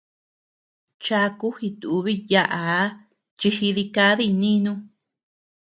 Chaku jitubiy yaʼaa chi jidikadiy nínu.